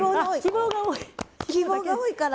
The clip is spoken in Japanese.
希望が多いから。